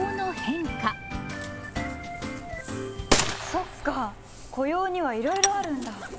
そっか雇用にはいろいろあるんだ。